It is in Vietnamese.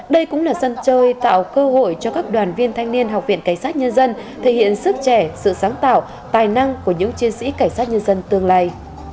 đây cũng là sân chơi tạo cơ hội cho các đoàn viên thanh niên học viện cảnh sát nhân dân thể hiện sức trẻ sự sáng tạo tài năng của những chiến sĩ cảnh sát nhân dân tương lai